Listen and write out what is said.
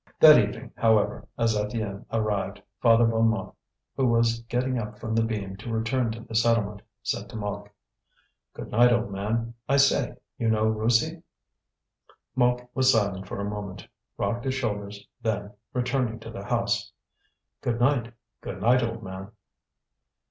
That evening, however, as Étienne arrived, Father Bonnemort, who was getting up from the beam to return to the settlement, said to Mouque: "Good night, old man. I say, you knew Roussie?" Mouque was silent for a moment, rocked his shoulders; then, returning to the house: "Good night, good night, old man."